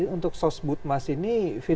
untuk sosbut mas ini lima puluh lima puluh